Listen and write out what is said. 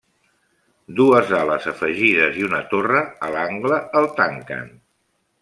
Dues ales afegides i una torre a l'angle el tanquen.